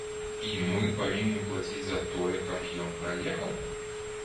І мы павінны плаціць за тое, каб ён праехаў?